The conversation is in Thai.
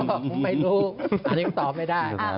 คุณไม่รู้อันนี้เราก็ตอบไม่ได้